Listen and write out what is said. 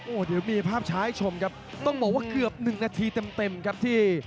เดี๋ยวมีภาพช้าให้ชมครับต้องบอกว่าเกือบหนึ่งนาทีเต็มเต็มครับที่